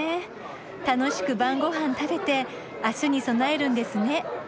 楽しく晩ご飯食べて明日に備えるんですね。